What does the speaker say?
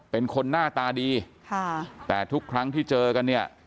เป็นคนหน้าตาดีค่ะแต่ทุกครั้งที่เจอกันเนี่ย